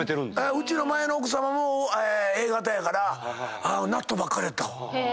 うちの前の奥さまもＡ型やから納豆ばっかりやったわ。